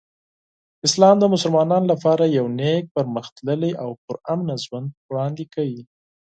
اسلام د مسلمانانو لپاره یو نیک، پرمختللی او پرامن ژوند وړاندې کوي.